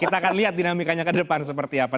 kita akan lihat dinamikanya ke depan seperti apa